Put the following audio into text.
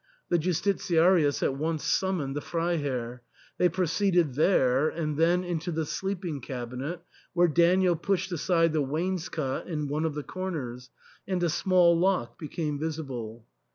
The Justitiarius at once summoned the Freiherr ; they pro ceeded there, and then into the sleeping cabinet, where Daniel pushed aside the wainscot in one of the corners, and a small lock became visible.